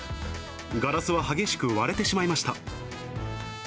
ガラスは激しく割れてしまいました。